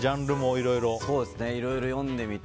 いろいろ読んでみて。